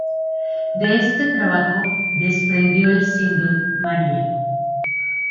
De este trabajo desprendió el single 'María'.